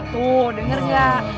tuh denger nggak